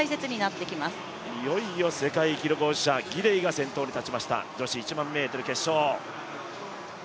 いよいよ世界記録保持者、ギデイが先頭に立ちました女子１００００ｍ決勝。